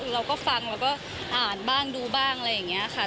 เราก็ฟังเราก็อ่านบ้างดูบ้างอะไรอย่างนี้ค่ะ